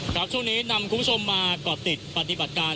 ครับช่วงนี้นำคุณผู้ชมมาก่อติดปฏิบัติการ